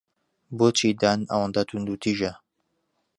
بۆچی دان ئەوەندە توندوتیژە؟